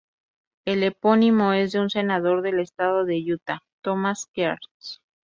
El epónimo es de un senador del estado de Utah, Thomas Kearns.